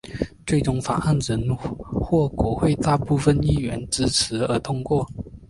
最终法案仍获国会大部份议员支持而通过。